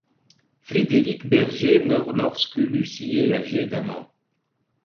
Frédéric Berger meurt lorsque Lucie est âgée d’un an.